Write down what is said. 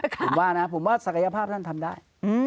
ผมว่านะผมว่าศักษณะภาพเบื้องลึกเบื้องลึกนั้นทำได้